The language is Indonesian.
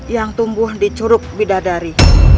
yang tumbuh di curug bidadari